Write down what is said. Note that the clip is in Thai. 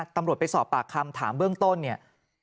ตำรวจไปสอบปากคำถามเบื้องต้นเนี่ย